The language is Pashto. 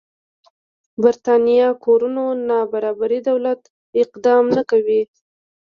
برېتانيا کورونو نابرابري دولت اقدام نه کموي.